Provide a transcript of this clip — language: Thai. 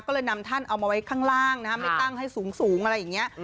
ก็เลยนำท่านเอามาไว้ข้างล่างนะฮะไม่ตั้งให้สูงอะไรอย่างนี้